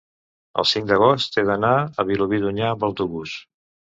el cinc d'agost he d'anar a Vilobí d'Onyar amb autobús.